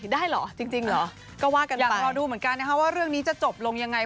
ได้เหรอจริงเหรอก็ว่ากันไปรอดูเหมือนกันนะคะว่าเรื่องนี้จะจบลงยังไง